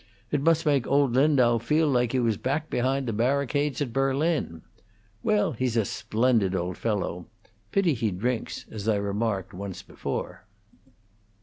It must make old Lindau feel like he was back behind those barricades at Berlin. Well, he's a splendid old fellow; pity he drinks, as I remarked once before."